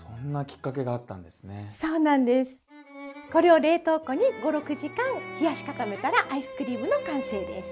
これを冷凍庫に５６時間冷やし固めたらアイスクリームの完成です。